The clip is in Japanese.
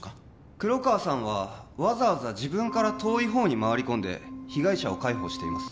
黒川さんはわざわざ自分から遠い方に回り込んで被害者を介抱しています